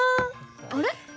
あれ？